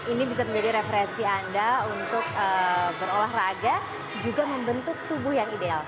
ini bisa menjadi referensi anda untuk berolahraga juga membentuk tubuh yang ideal